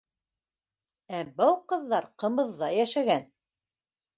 Ә был ҡыҙҙар ҡымыҙҙа йәшәгән!